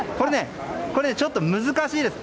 これ、ちょっと難しいです。